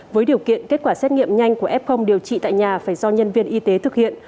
với điều kiện kết quả xét nghiệm nhanh của f điều trị tại nhà phải do nhân viên y tế thực hiện